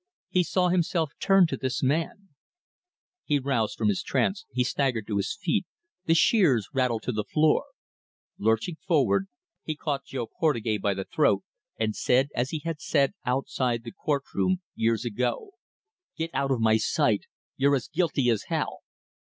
He saw himself turn to this man: He roused from his trance, he staggered to his feet, the shears rattled to the floor. Lurching forward, he caught Jo Portugais by the throat, and said, as he had said outside the court room years ago: "Get out of my sight. You're as guilty as hell!"